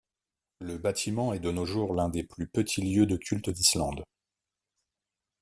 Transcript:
Le bâtiment est de nos jours l'un des plus petits lieux de culte d'Islande.